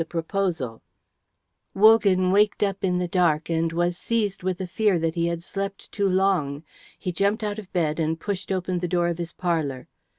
CHAPTER III Wogan waked up in the dark and was seized with a fear that he had slept too long. He jumped out of bed and pushed open the door of his parlour.